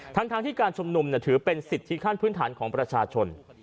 ทั้งที่การชุมนุมถือเป็นสิทธิขั้นพื้นฐานของประชาชน